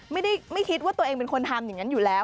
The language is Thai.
ไม่คิดว่าตัวเองเป็นคนทำอย่างนั้นอยู่แล้ว